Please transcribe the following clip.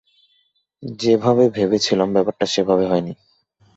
যেভাবে ভেবেছিলাম, ব্যাপারটা সেভাবে হয়নি।